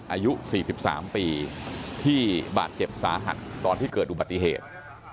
อายุ๔๓ปีที่บาดเจ็บสาหัสตอนที่เกิดอุบัติเหตุ